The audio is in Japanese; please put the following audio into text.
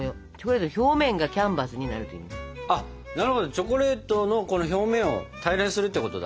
チョコレートの表面を平らにするってことだ。